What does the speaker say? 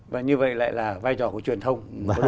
và như vậy lại là vai trò của truyền thông